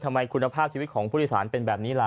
ทำไมคุณภาพชีวิตของผู้โดยสารเป็นแบบนี้ล่ะ